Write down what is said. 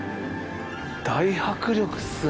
大迫力っすね